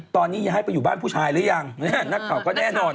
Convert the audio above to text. ตอนนี้ย้ายไปอยู่บ้านผู้ชายหรือยังนักข่าวก็แน่นอน